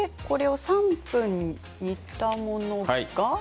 これを３分煮たもの。